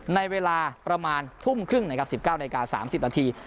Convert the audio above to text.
ในเวลาประมาณทุ่มครึ่ง๑๙นาฬิกา๓๐นาที